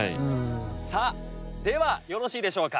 さあではよろしいでしょうか？